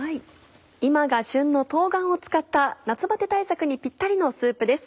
今が旬の冬瓜を使った夏バテ対策にぴったりのスープです。